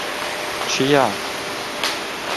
— Чия?